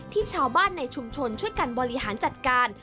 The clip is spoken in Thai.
ที่ชาวบ้านในชุมชนช่วยกันบริหารจัดการ